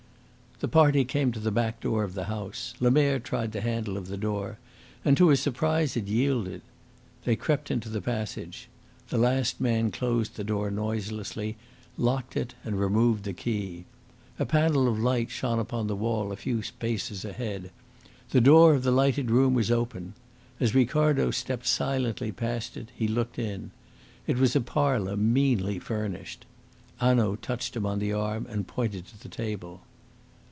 The party came to the back door of the house. Lemerre tried the handle of the door, and to his surprise it yielded. They crept into the passage. The last man closed the door noiselessly, locked it, and removed the key. A panel of light shone upon the wall a few paces ahead. The door of the lighted room was open. As Ricardo stepped silently past it, he looked in. It was a parlour meanly furnished. Hanaud touched him on the arm and pointed to the table.